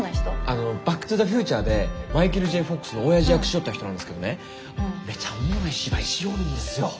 あの「バック・トゥ・ザ・フューチャー」でマイケル・Ｊ・フォックスのおやじ役しよった人なんですけどねめちゃおもろい芝居しよるんですよ。